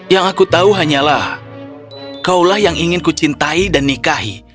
yang aku tahu hanyalah kaulah yang ingin ku cintai dan nikahi